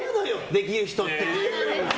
できる人って。